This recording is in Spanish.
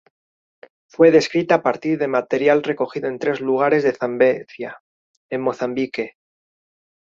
Fue descrita a partir de material recogido en tres lugares de Zambezia, en Mozambique.